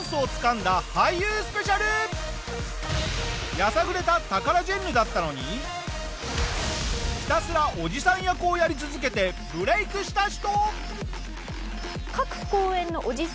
やさぐれたタカラジェンヌだったのにひたすらおじさん役をやり続けてブレイクした人！